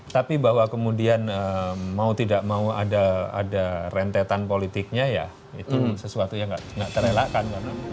tapi bahwa kemudian mau tidak mau ada rentetan politiknya ya itu sesuatu yang tidak terelakkan